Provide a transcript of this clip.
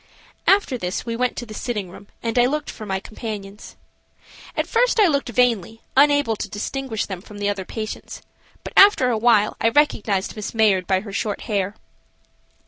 After this we went to the sitting room and I looked for my companions. At first I looked vainly, unable to distinguish them from the other patients, but after awhile I recognized Miss Mayard by her short hair.